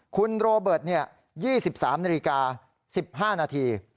คุณโรเบิร์ต๒๓นาฬิกา๑๕นาที